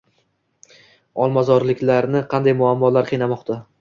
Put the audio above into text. Olmazorliklarni qanday muammolar qiynamoqda?